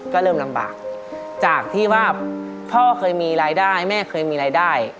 ก็เริ่มลำบากจากที่ว่าพ่อเคยมีรายได้แม่เคยมีรายได้